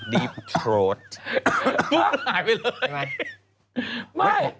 หายไปเลย